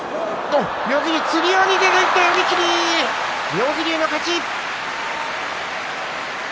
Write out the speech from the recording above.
妙義龍の勝ち。